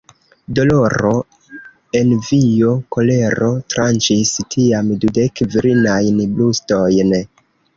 Doloro, envio, kolero, tranĉis tiam dudek virinajn brustojn.